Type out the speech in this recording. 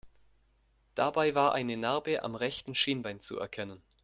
Dabei war eine Narbe am rechten Schienbein zu erkennen.